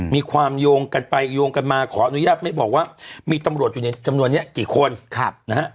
มีความโยงกันไปโยงกันมาขออนุญาตไม่บอกว่ามีตำรวจอยู่ในจำนวนนี้กี่คนนะฮะ